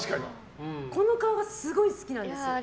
この顔がすごい好きなんです。